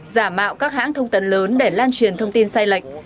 giả mạo các hãng thông tấn lớn để lan truyền thông tin sai lệch